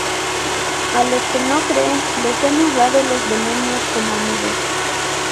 A los que no creen les hemos dado los demonios como amigos.